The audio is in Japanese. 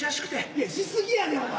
いやし過ぎやねんお前。